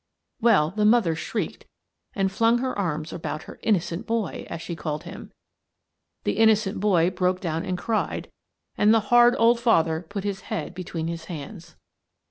Well, the mother shrieked and flung her arms about her " innocent boy," as she called him. The innocent boy broke down and cried, and the hard old father put his head between his hands.